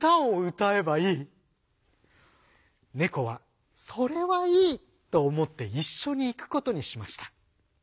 ネコは「それはいい！」とおもっていっしょにいくことにしました。